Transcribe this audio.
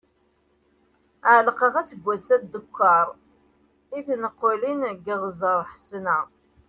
Ɛelqeɣ aseggas-a dekkeṛ i tneqlin deg Iɣzeṛ Ḥesna.